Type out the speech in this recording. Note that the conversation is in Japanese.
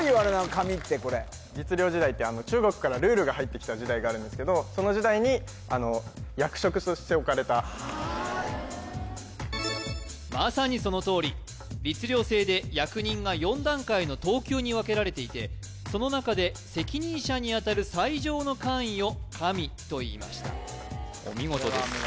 かみってこれ律令時代って中国からルールが入ってきた時代があるんですけどその時代に役職として置かれたまさにそのとおり律令制で役人が四段階の等級に分けられていてその中で責任者にあたる最上の官位をかみといいましたお見事です